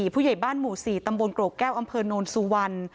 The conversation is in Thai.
ผู้ใหญ่บ้านหมู่๔ตำบลโกโกแก้วอำเภอนนท์ซูวัล